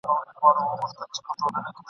ما مي له ژوندون سره یوه شېبه منلې ده !.